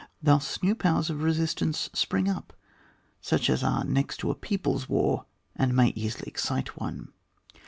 Thus, new powers of resistance spring up, such as are next to a people's war, and may easily excite one.